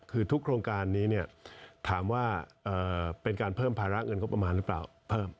คือทุกโครงการนี้ถามว่าเป็นการเพิ่มภาระเงินงบประมาณหรือเปล่าเพิ่ม